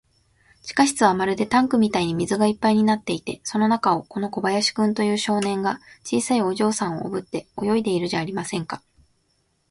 地下室はまるでタンクみたいに水がいっぱいになっていて、その中を、この小林君という少年が、小さいお嬢さんをおぶって泳いでいるじゃありませんか。